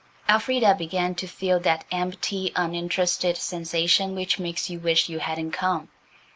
Elfrida began to feel that empty, uninterested sensation which makes you wish you hadn't come.